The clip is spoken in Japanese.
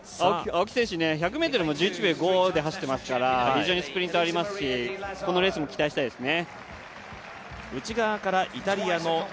青木選手、１００ｍも１１秒５で走っていますから非常にスプリントもありますからこのレースも期待したいですね。